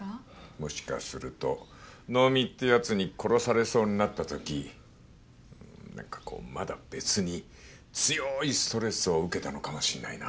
もしかすると能見って奴に殺されそうになった時なんかこうまだ別に強いストレスを受けたのかもしれないな。